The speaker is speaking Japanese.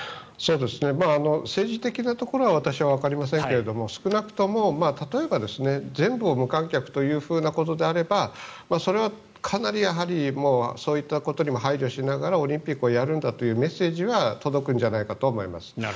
政治的なところは私はわかりませんけれども少なくとも例えば全部を無観客ということであればそれはかなりもうそういったことにも配慮しながらオリンピックをやるんだというメッセージは届くんじゃないかと思います。